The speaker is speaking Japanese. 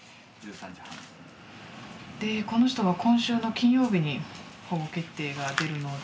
でこの人は今週の金曜日に保護決定が出るので。